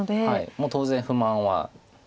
もう当然不満はない。